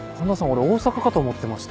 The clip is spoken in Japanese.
俺大阪かと思ってました。